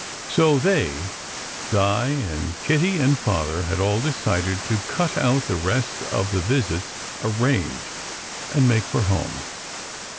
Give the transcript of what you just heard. So they Di and Kitty and Father had all decided to cut out the rest of the visits arranged and "make for home."